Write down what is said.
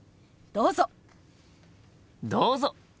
どうぞ！